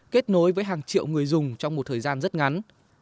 kết nối với hàng triệu người dùng trong một thời gian rất ngắn